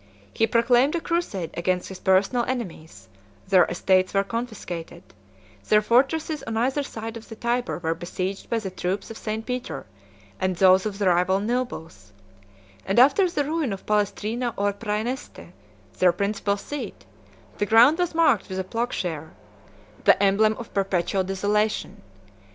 102 He proclaimed a crusade against his personal enemies; their estates were confiscated; their fortresses on either side of the Tyber were besieged by the troops of St. Peter and those of the rival nobles; and after the ruin of Palestrina or Præneste, their principal seat, the ground was marked with a ploughshare, the emblem of perpetual desolation.